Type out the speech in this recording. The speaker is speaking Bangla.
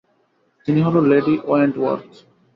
তিনি হন লেডি ওয়েন্টওয়ার্থ।